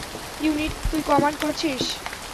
Unit তুই command করছিস।